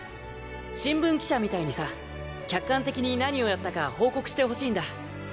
新聞記者みたいにさ客観的に何をやったか報告してほしいんだ。